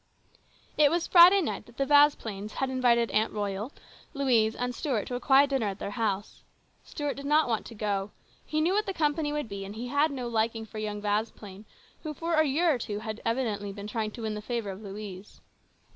It was Friday night that the Vasplaines had invited Aunt Royal, Louise, and Stuart to a quiet dinner at their house. Stuart did not want to go. He knew what the company would be, and he had no liking for the young Vasplaine, who for a year or two had evidently been trying to win the favour of Louise.